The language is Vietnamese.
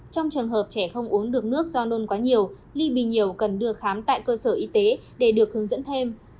trong trường hợp trẻ không uống được nước do nôn quá nhiều ly bì nhiều cần đưa khám tại cơ sở y tế để được hướng dẫn thêm